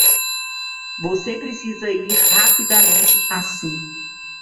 Você precisa ir rapidamente assim.